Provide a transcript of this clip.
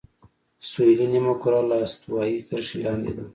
سویلي نیمهکره له استوایي کرښې لاندې ده.